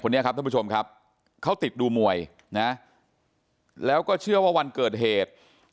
นี้ครับท่านผู้ชมครับเขาติดดูมวยนะแล้วก็เชื่อว่าวันเกิดเหตุ